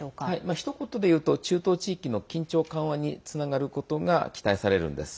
ひと言でいうと中東地域の緊張緩和につながることが期待されるんです。